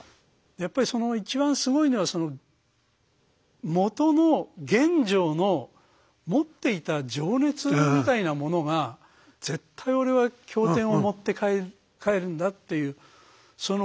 やっぱりその一番すごいのはもとの玄奘の持っていた情熱みたいなものが絶対俺は経典を持って帰るんだっていうその思いみたいなものがね